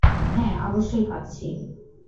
হ্যাঁ, অবশ্যই পাচ্ছি।